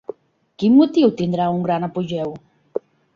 Quin motiu tindrà un gran apogeu?